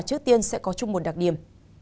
trước tiên sẽ có chung một đặc điểm